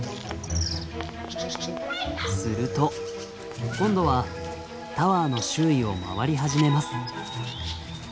すると今度はタワーの周囲を回り始めます。